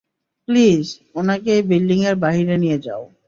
Please, উনাকে এই building এর বাহিরে নিয়ে যাও।